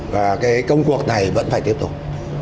và cái công cuộc này vẫn phải tiếp tục